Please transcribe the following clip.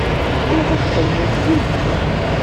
Bɣiɣ ad txedmemt yid-sen.